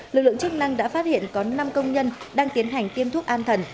lực lượng chức năng đã phát hiện có năm công nhân đang tiến hành tiêm thuốc an thần